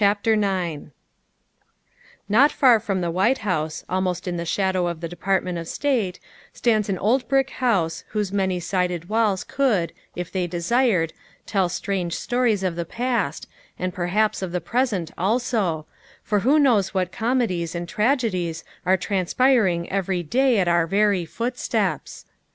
'' 88 THE WIFE OF IX NOT far from the White House, almost in the shadow of the Department of State, stands an old brick house whose many sided walls could, if they desired, tell strange stories of the past, and perhaps of the present also, for who knows what comedies and tragedies are transpiring every day at our very doorsteps?